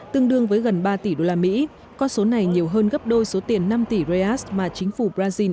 tương đương với gần ba tỷ usd con số này nhiều hơn gấp đôi số tiền năm tỷ reas mà chính phủ brazil